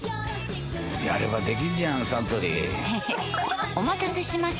やればできんじゃんサントリーへへっお待たせしました！